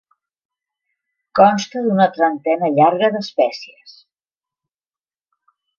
Consta d'una trentena llarga d'espècies.